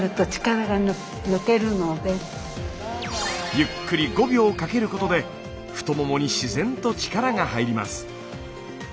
ゆっくり５秒かけることで太ももに自然と力が入ります。